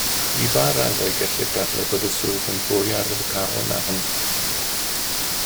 I ba raddau gellir dadlau bod y swydd yn fwy arwyddocaol na hynny